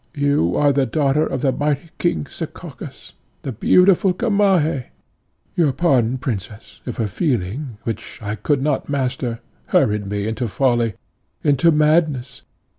you are the daughter of the mighty King Sekakis, the beautiful Gamaheh. Your pardon, princess, if a feeling, which I could not master, hurried me into folly, into madness.